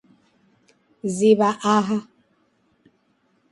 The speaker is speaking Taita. Ziw'a aha.